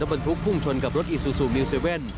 และบนทุกข์พุ่งชนกับรถอิซูซูมิว๗